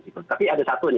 tapi ada satu nih ya